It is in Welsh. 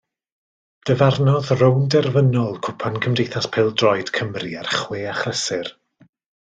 Dyfarnodd rownd derfynol Cwpan Cymdeithas Pêl Droed Cymru ar chwe achlysur.